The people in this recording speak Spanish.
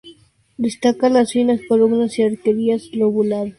Destacan las finas columnas y arquerías lobuladas.